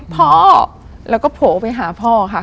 พ่อแล้วก็โผล่ไปหาพ่อค่ะ